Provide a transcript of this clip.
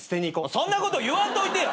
そんなこと言わんといてや。